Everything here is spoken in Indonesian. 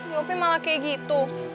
jawabnya malah kayak gitu